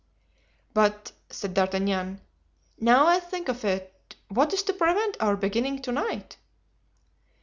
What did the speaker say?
"But," said D'Artagnan, "now I think of it—what is to prevent our beginning to night?"